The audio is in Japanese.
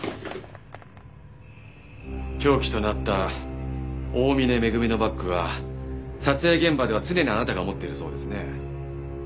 凶器となった大峰恵のバッグは撮影現場では常にあなたが持っているそうですね。